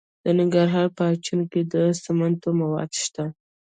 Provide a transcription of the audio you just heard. د ننګرهار په اچین کې د سمنټو مواد شته.